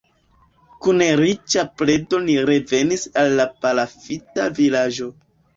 Kun riĉa predo ni revenis al la palafita vilaĝo.